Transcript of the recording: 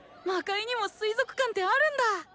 魔界にも水族館ってあるんだ！